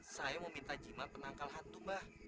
saya mau minta jimat penangkal hantu mbah